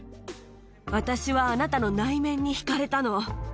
私はあなたの内面に引かれたの。